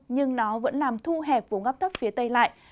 nhưng nó vẫn làm thu hẹp vùng áp thấp phía tây lại